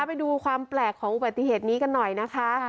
ไปดูความแปลกของอุบัติเหตุนี้กันหน่อยนะคะ